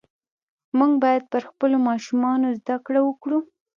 موږ باید پر خپلو ماشومانو زده کړه وکړو .